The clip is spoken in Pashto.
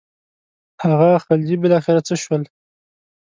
هغه خلجي بالاخره څه شول.